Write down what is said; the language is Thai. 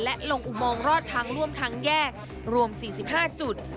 และลงอุโมงรอดทางร่วมทางแยกรวม๔๕จุด